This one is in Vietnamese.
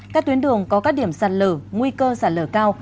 các tuyến đường có các điểm sản lửa nguy cơ sản lửa cao